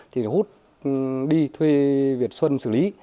thì hút đi thuê việt xuân xử lý